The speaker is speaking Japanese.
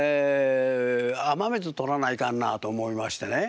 雨水取らないかんなと思いましてね。